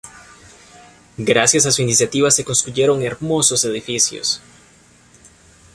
Gracias a su iniciativa se construyeron hermosos edificios.